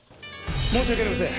申し訳ありません。